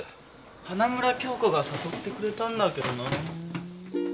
花村響子が誘ってくれたんだけどなぁー。